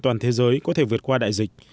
người dân toàn thế giới có thể vượt qua đại dịch